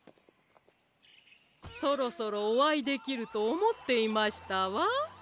そろそろおあいできるとおもっていましたわ。